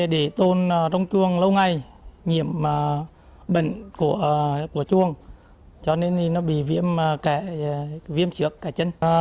để tôn trong chuông lâu ngày nhiễm bệnh của chuông cho nên bị viêm kẽ chân